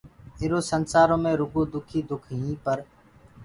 ايٚرو سنسآرو مي رُگو دُک ئي دُک ئينٚ پر